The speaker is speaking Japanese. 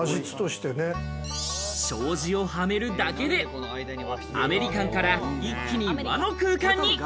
障子をはめるだけで、アメリカンから一気に和の空間に。